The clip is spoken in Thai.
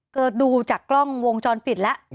ก็ดูจากกล้องวงจรปิดแล้ว